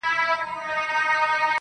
o زما او ستا تر منځ صرف فرق دادى.